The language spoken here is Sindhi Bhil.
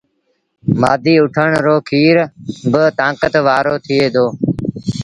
مآڌيٚ اُٺڻ رو کير با تآنڪت وآرو ٿئي دو۔